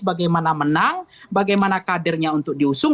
bagaimana menang bagaimana kadernya untuk diusung